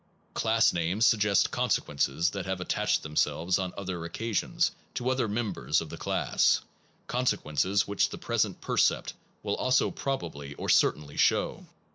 Class names suggest consequences that have attached themselves on other occasions to other mem bers of the class consequences which the present percept will also probably or certainly show.